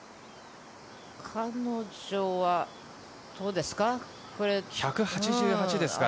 彼女はどうですか？